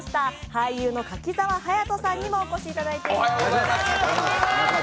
俳優の柿澤勇人さんにもお越しいただいています。